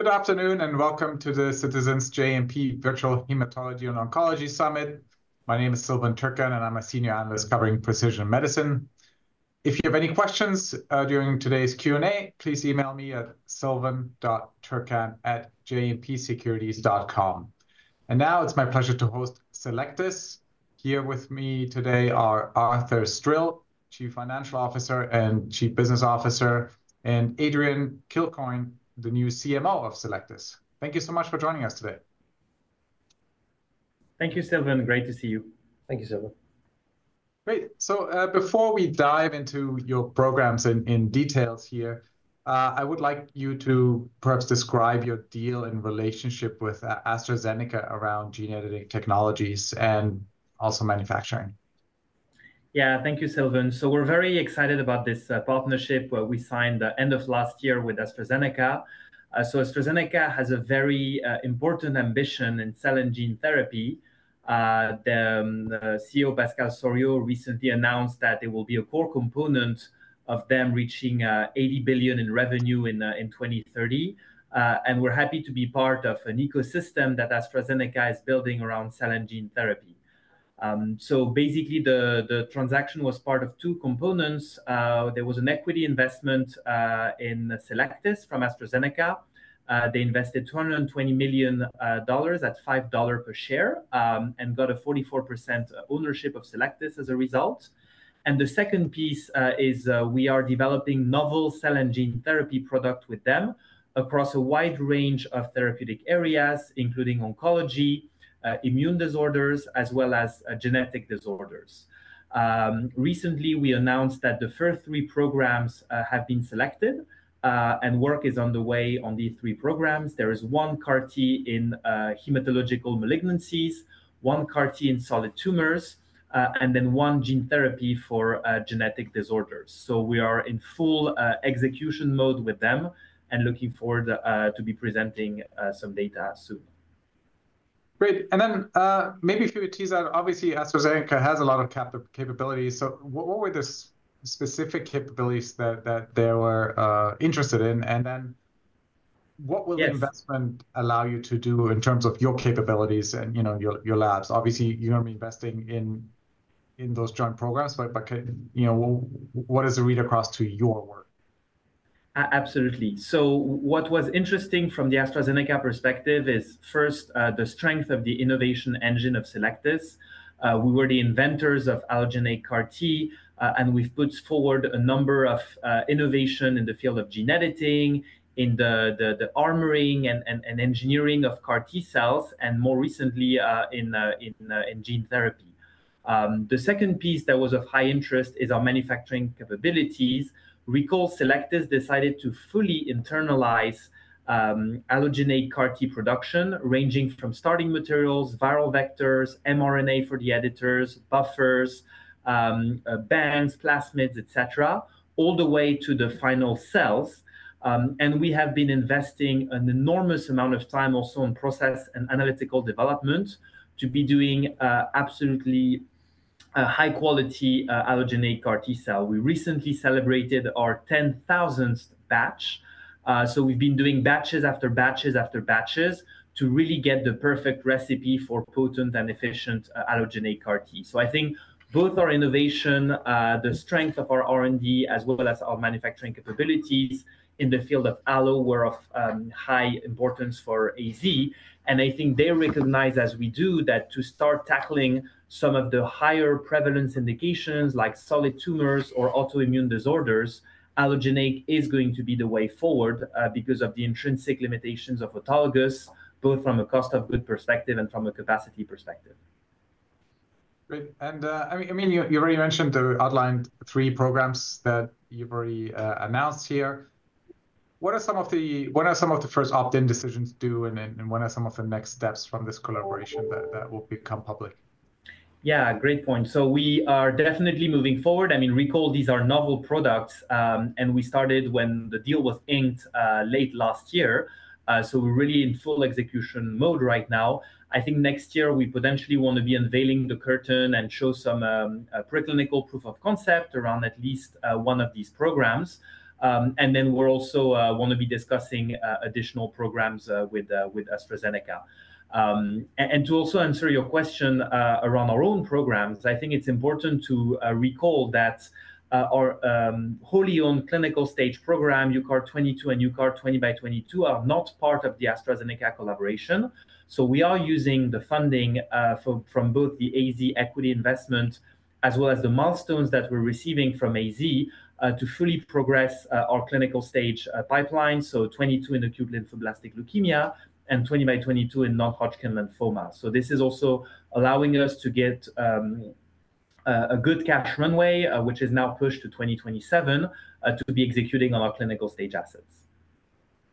Good afternoon and welcome to the Citizens JMP Virtual Hematology and Oncology Summit. My name is Silvan Tuerkcan, and I'm a senior analyst covering precision medicine. If you have any questions during today's Q&A, please email me at silvan.tuerkcan@jmpsecurities.com. Now it's my pleasure to host Cellectis. Here with me today are Arthur Stril, Chief Financial Officer and Chief Business Officer, and Adrian Kilcoyne, the new CMO of Cellectis. Thank you so much for joining us today. Thank you, Silvan. Great to see you. Thank you, Silvan. Great. So before we dive into your programs in detail here, I would like you to perhaps describe your deal and relationship with AstraZeneca around gene editing technologies and also manufacturing. Yeah, thank you, Silvan. So we're very excited about this partnership. We signed the end of last year with AstraZeneca. So AstraZeneca has a very important ambition in cell and gene therapy. The CEO, Pascal Soriot, recently announced that it will be a core component of them reaching $80 billion in revenue in 2030. And we're happy to be part of an ecosystem that AstraZeneca is building around cell and gene therapy. So basically, the transaction was part of two components. There was an equity investment in Cellectis from AstraZeneca. They invested $220 million at $5 per share and got a 44% ownership of Cellectis as a result. And the second piece is we are developing novel cell and gene therapy products with them across a wide range of therapeutic areas, including oncology, immune disorders, as well as genetic disorders. Recently, we announced that the first three programs have been selected, and work is on the way on these three programs. There is one CAR-T in hematological malignancies, one CAR-T in solid tumors, and then one gene therapy for genetic disorders. So we are in full execution mode with them and looking forward to presenting some data soon. Great. And then maybe if you would tease out, obviously, AstraZeneca has a lot of capabilities. So what were the specific capabilities that they were interested in? And then what will the investment allow you to do in terms of your capabilities and your labs? Obviously, you're going to be investing in those joint programs, but what is the read across to your work? Absolutely, so what was interesting from the AstraZeneca perspective is, first, the strength of the innovation engine of Cellectis. We were the inventors of allogeneic CAR-T, and we've put forward a number of innovations in the field of gene editing, in the armoring and engineering of CAR-T cells, and more recently in gene therapy. The second piece that was of high interest is our manufacturing capabilities. Recall, Cellectis decided to fully internalize allogeneic CAR-T production, ranging from starting materials, viral vectors, mRNA for the editors, buffers, bands, plasmids, etc., all the way to the final cells. And we have been investing an enormous amount of time also in process and analytical development to be doing absolutely high-quality allogeneic CAR-T cells. We recently celebrated our 10,000th batch, so we've been doing batches after batches after batches to really get the perfect recipe for potent and efficient allogeneic CAR-T. So I think both our innovation, the strength of our R&D, as well as our manufacturing capabilities in the field of allo were of high importance for AZ. And I think they recognize, as we do, that to start tackling some of the higher prevalence indications, like solid tumors or autoimmune disorders, allogeneic is going to be the way forward because of the intrinsic limitations of autologous, both from a cost of goods perspective and from a capacity perspective. Great. And I mean, you already mentioned the outlined three programs that you've already announced here. What are some of the first opt-in decisions to do, and what are some of the next steps from this collaboration that will become public? Yeah, great point. So we are definitely moving forward. I mean, recall, these are novel products, and we started when the deal was inked late last year. So we're really in full execution mode right now. I think next year, we potentially want to be unveiling the curtain and show some preclinical proof of concept around at least one of these programs. And then we also want to be discussing additional programs with AstraZeneca. And to also answer your question around our own programs, I think it's important to recall that our wholly owned clinical stage program, UCART22 and UCART20x22, are not part of the AstraZeneca collaboration. So we are using the funding from both the AZ equity investment as well as the milestones that we're receiving from AZ to fully progress our clinical stage pipeline. So 22 in acute lymphoblastic leukemia and 20x22 in non-Hodgkin lymphoma. So this is also allowing us to get a good cash runway, which is now pushed to 2027, to be executing on our clinical stage assets.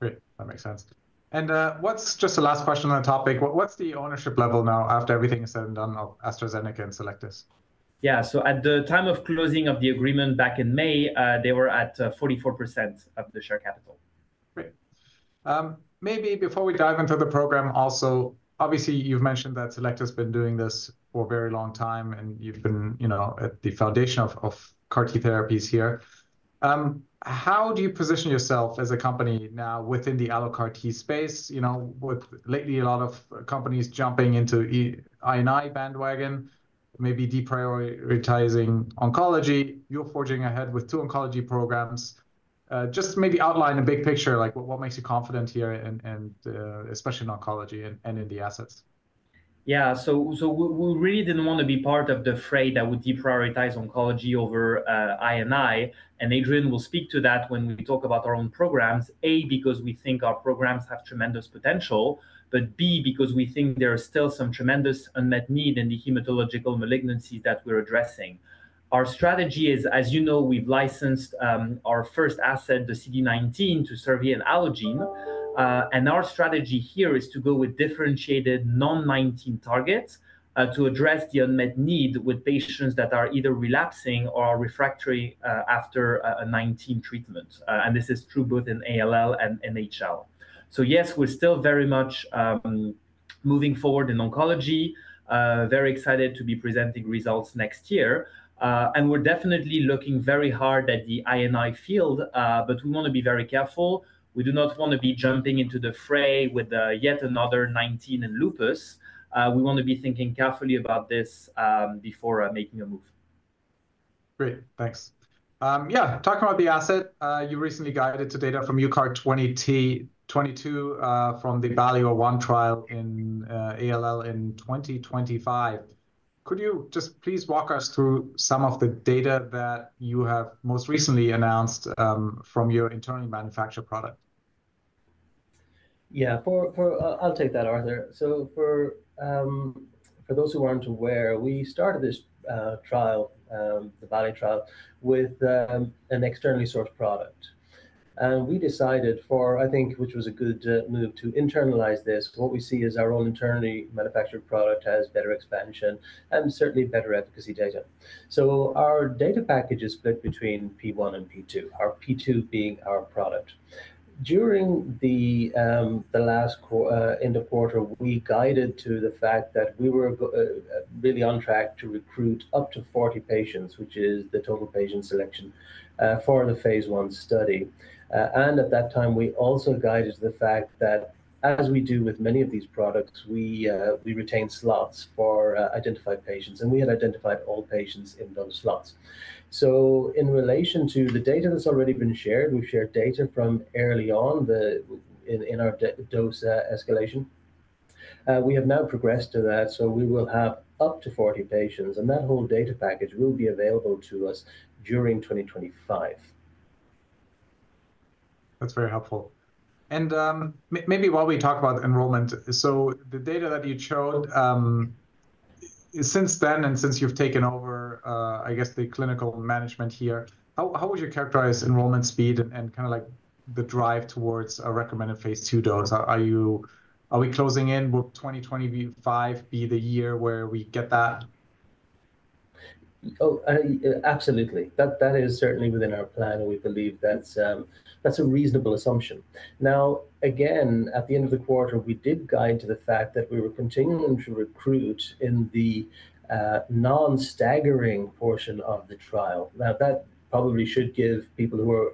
Great. That makes sense, and just a last question on the topic. What's the ownership level now after everything is said and done of AstraZeneca and Cellectis? Yeah, so at the time of closing of the agreement back in May, they were at 44% of the share capital. Great. Maybe before we dive into the program also, obviously, you've mentioned that Cellectis has been doing this for a very long time, and you've been at the foundation of CAR-T therapies here. How do you position yourself as a company now within the allo-CAR-T space? Lately, a lot of companies jumping into I&I bandwagon, maybe deprioritizing oncology. You're forging ahead with two oncology programs. Just maybe outline a big picture, like what makes you confident here, especially in oncology and in the assets? Yeah, so we really didn't want to be part of the freight that would deprioritize oncology over I&I. And Adrian will speak to that when we talk about our own programs, A, because we think our programs have tremendous potential, but B, because we think there is still some tremendous unmet need in the hematological malignancies that we're addressing. Our strategy is, as you know, we've licensed our first asset, the CD19, to Servier and Allogene. And our strategy here is to go with differentiated non-19 targets to address the unmet need with patients that are either relapsing or refractory after a 19 treatment. And this is true both in ALL and NHL. So yes, we're still very much moving forward in oncology, very excited to be presenting results next year. And we're definitely looking very hard at the I&I field, but we want to be very careful. We do not want to be jumping into the fray with yet another CD19 in lupus. We want to be thinking carefully about this before making a move. Great. Thanks. Yeah, talking about the asset, you recently guided to data from UCART22 from the BALLI-01 trial in ALL in 2025. Could you just please walk us through some of the data that you have most recently announced from your internal manufactured product? Yeah, I'll take that, Arthur. So for those who aren't aware, we started this trial, the BALLI-01 trial, with an externally sourced product. And we decided for, I think, which was a good move to internalize this, what we see is our own internally manufactured product has better expansion and certainly better efficacy data. So our data package is split between P1 and P2, our P2 being our product. During the last end of quarter, we guided to the fact that we were really on track to recruit up to 40 patients, which is the total patient selection for the Phase I study. And at that time, we also guided to the fact that, as we do with many of these products, we retain slots for identified patients. And we had identified all patients in those slots. In relation to the data that's already been shared, we've shared data from early on in our dose escalation. We have now progressed to that. We will have up to 40 patients. That whole data package will be available to us during 2025. That's very helpful, and maybe while we talk about enrollment, so the data that you chose, since then and since you've taken over, I guess, the clinical management here, how would you characterize enrollment speed and kind of like the drive towards a recommended Phase II dose? Are we closing in? Will 2025 be the year where we get that? Absolutely. That is certainly within our plan. We believe that's a reasonable assumption. Now, again, at the end of the quarter, we did guide to the fact that we were continuing to recruit in the non-staggering portion of the trial. Now, that probably should give people who are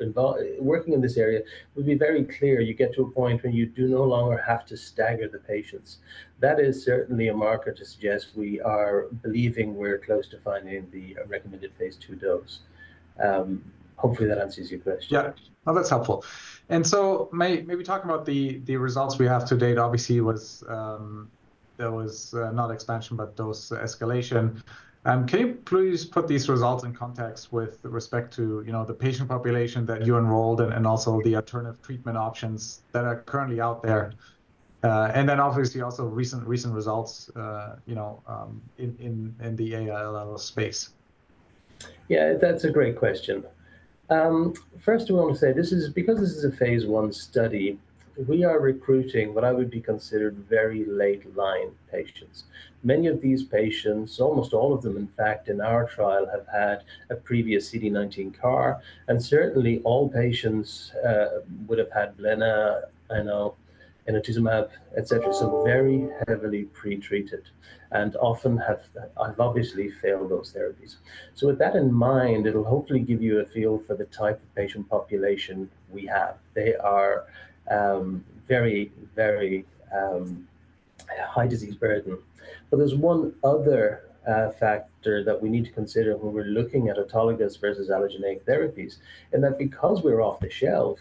working in this area would be very clear. You get to a point when you do no longer have to stagger the patients. That is certainly a marker to suggest we are believing we're close to finding the recommended Phase II dose. Hopefully, that answers your question. Yeah. No, that's helpful. And so maybe talking about the results we have to date, obviously, there was not expansion, but dose escalation. Can you please put these results in context with respect to the patient population that you enrolled and also the alternative treatment options that are currently out there? And then obviously also recent results in the ALL space. Yeah, that's a great question. First, I want to say this is because this is a Phase I study, we are recruiting what I would be considered very late line patients. Many of these patients, almost all of them, in fact, in our trial have had a previous CD19 CAR, and certainly all patients would have had blinatumomab, inotuzumab ozogamicin, etc., so very heavily pretreated and often have obviously failed those therapies. So with that in mind, it'll hopefully give you a feel for the type of patient population we have. They are very, very high disease burden. But there's one other factor that we need to consider when we're looking at autologous versus allogeneic therapies, and that, because we're off the shelf,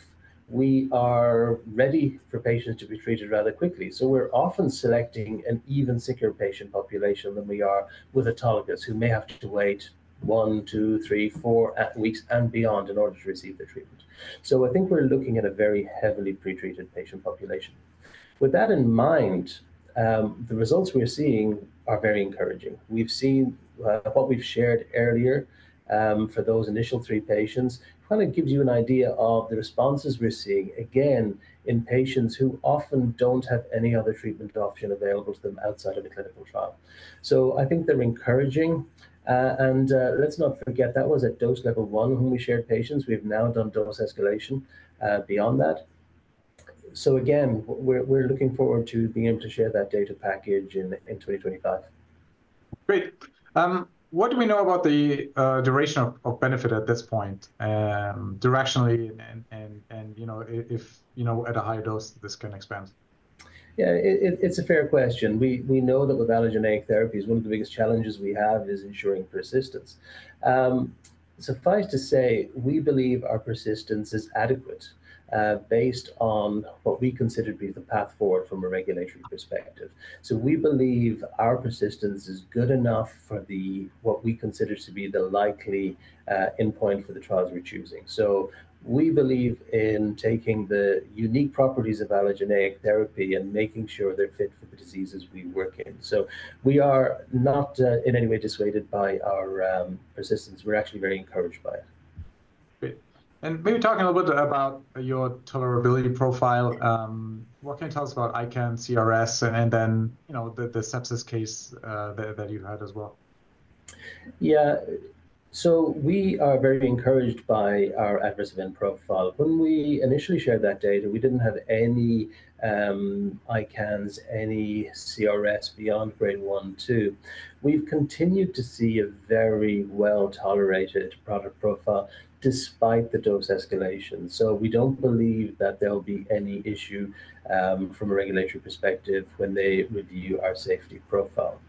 we are ready for patients to be treated rather quickly. So we're often selecting an even sicker patient population than we are with autologous who may have to wait one, two, three, four weeks and beyond in order to receive the treatment. So I think we're looking at a very heavily pretreated patient population. With that in mind, the results we're seeing are very encouraging. We've seen what we've shared earlier for those initial three patients kind of gives you an idea of the responses we're seeing, again, in patients who often don't have any other treatment option available to them outside of the clinical trial. So I think they're encouraging. And let's not forget, that was at dose level one when we shared patients. We have now done dose escalation beyond that. So again, we're looking forward to being able to share that data package in 2025. Great. What do we know about the duration of benefit at this point, directionally, and if at a higher dose, this can expand? Yeah, it's a fair question. We know that with allogeneic therapies, one of the biggest challenges we have is ensuring persistence. Suffice to say, we believe our persistence is adequate based on what we consider to be the path forward from a regulatory perspective, so we believe our persistence is good enough for what we consider to be the likely endpoint for the trials we're choosing, so we believe in taking the unique properties of allogeneic therapy and making sure they're fit for the diseases we work in, so we are not in any way dissuaded by our persistence. We're actually very encouraged by it. Great. And maybe talking a little bit about your tolerability profile, what can you tell us about ICANS, CRS, and then the sepsis case that you've had as well? Yeah, so we are very encouraged by our adverse event profile. When we initially shared that data, we didn't have any ICANS, any CRS beyond grade 1, 2. We've continued to see a very well-tolerated product profile despite the dose escalation. So we don't believe that there will be any issue from a regulatory perspective when they review our safety profile.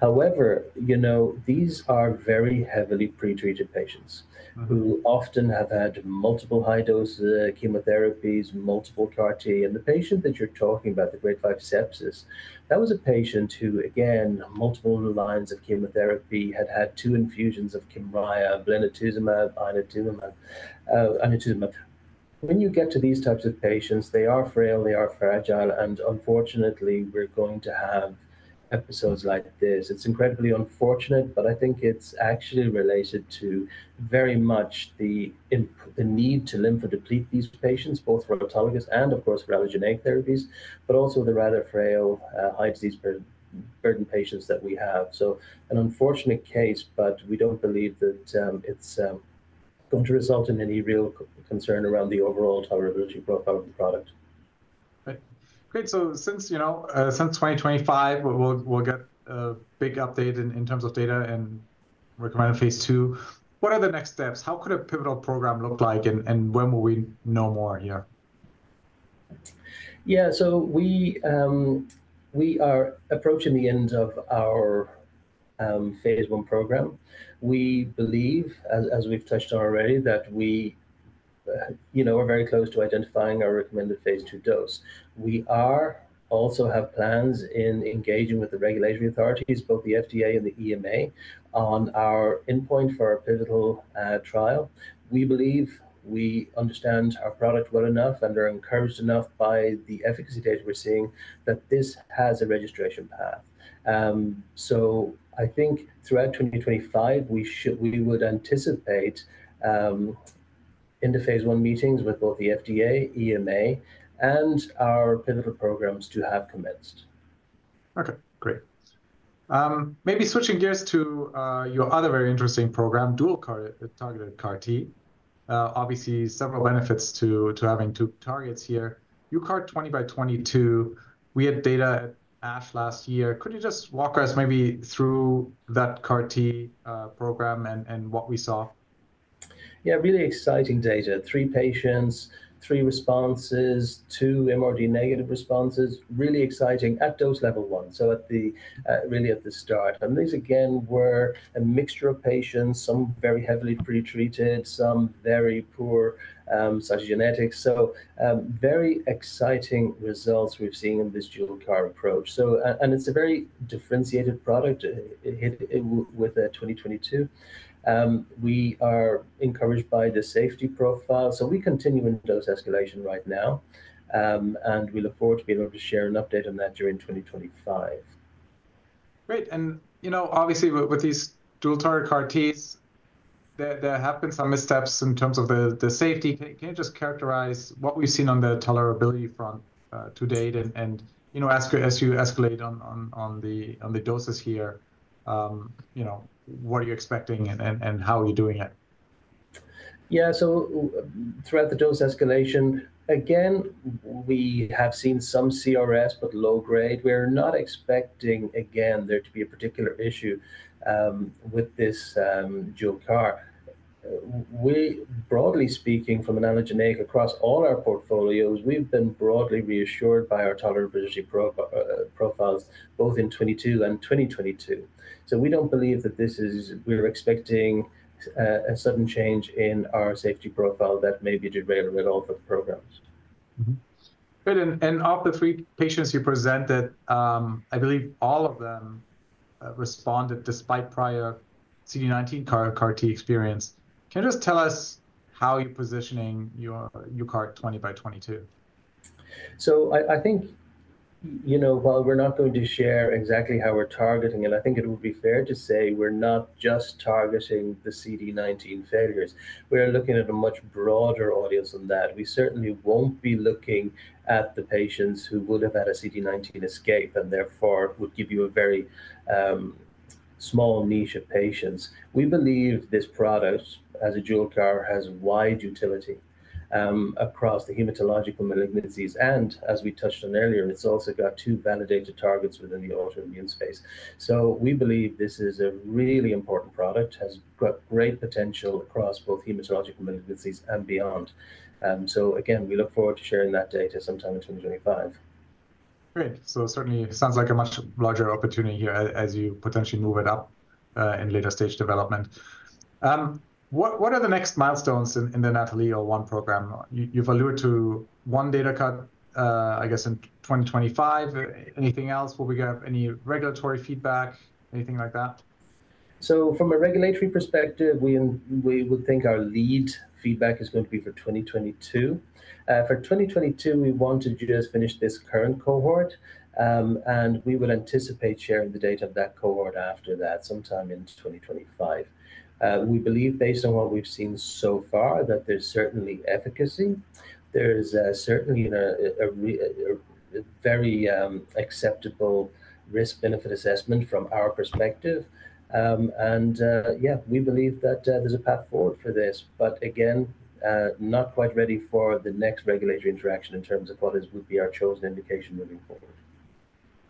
However, you know these are very heavily pretreated patients who often have had multiple high-dose chemotherapies, multiple CAR-T. And the patient that you're talking about, the grade 5 sepsis, that was a patient who, again, multiple lines of chemotherapy had had two infusions of KYMRIAH, blinatumomab, inotuzumab. When you get to these types of patients, they are frail, they are fragile. And unfortunately, we're going to have episodes like this. It's incredibly unfortunate, but I think it's actually related to very much the need to lymphodeplete these patients, both for autologous and, of course, for allogeneic therapies, but also the rather frail high disease burden patients that we have. So an unfortunate case, but we don't believe that it's going to result in any real concern around the overall tolerability profile of the product. Great, so since 2025, we'll get a big update in terms of data and recommended phase two. What are the next steps? How could a pivotal program look like, and when will we know more here? Yeah, so we are approaching the end of our Phase I program. We believe, as we've touched on already, that we are very close to identifying our recommended Phase II dose. We also have plans in engaging with the regulatory authorities, both the FDA and the EMA, on our endpoint for our pivotal trial. We believe we understand our product well enough and are encouraged enough by the efficacy data we're seeing that this has a registration path. So I think throughout 2025, we would anticipate in the Phase I meetings with both the FDA, EMA, and our pivotal programs to have commenced. Okay, great. Maybe switching gears to your other very interesting program, dual targeted CAR-T. Obviously, several benefits to having two targets here. UCART20x22, we had data at ASH last year. Could you just walk us maybe through that CAR-T program and what we saw? Yeah, really exciting data. Three patients, three responses, two MRD negative responses, really exciting at dose level one, so really at the start. And these, again, were a mixture of patients, some very heavily pretreated, some very poor cytogenetics. So very exciting results we've seen in this dual CAR approach. And it's a very differentiated product with UCART20x22. We are encouraged by the safety profile. So we continue in dose escalation right now. And we look forward to being able to share an update on that during 2025. Great. And obviously, with these dual target CAR-Ts, there have been some missteps in terms of the safety. Can you just characterize what we've seen on the tolerability front to date and as you escalate on the doses here, what are you expecting and how are you doing it? Yeah, so throughout the dose escalation, again, we have seen some CRS, but low grade. We're not expecting, again, there to be a particular issue with this dual CAR. Broadly speaking, from an allogeneic across all our portfolios, we've been broadly reassured by our tolerability profiles, both in 22 and 20x22. So, we don't believe that we're expecting a sudden change in our safety profile that may be derailing all the programs. Good. And of the three patients you presented, I believe all of them responded despite prior CD19 CAR-T experience. Can you just tell us how you're positioning your UCART20x22? So I think, you know, while we're not going to share exactly how we're targeting, and I think it would be fair to say we're not just targeting the CD19 failures. We are looking at a much broader audience than that. We certainly won't be looking at the patients who would have had a CD19 escape and therefore would give you a very small niche of patients. We believe this product as a dual CAR has wide utility across the hematological malignancies. And as we touched on earlier, it's also got two validated targets within the autoimmune space. So we believe this is a really important product, has got great potential across both hematological malignancies and beyond. So again, we look forward to sharing that data sometime in 2025. Great. So certainly it sounds like a much larger opportunity here as you potentially move it up in later stage development. What are the next milestones in the NATHALI-01 program? You've alluded to one data cut, I guess, in 2025. Anything else? Will we get any regulatory feedback, anything like that? So from a regulatory perspective, we would think our lead feedback is going to be for 20x22. For 20x22, we want to just finish this current cohort. And we would anticipate sharing the data of that cohort after that sometime in 2025. We believe, based on what we've seen so far, that there's certainly efficacy. There is certainly a very acceptable risk-benefit assessment from our perspective. And yeah, we believe that there's a path forward for this. But again, not quite ready for the next regulatory interaction in terms of what would be our chosen indication moving forward.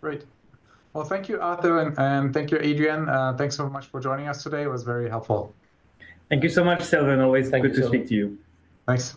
Great. Well, thank you, Arthur, and thank you, Adrian. Thanks so much for joining us today. It was very helpful. Thank you so much, Silvan. Always good to speak to you. Thanks.